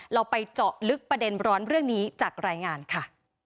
เราไปเจาะลึกประเด็นร้อนเรื่องนี้จากรายงานค่ะ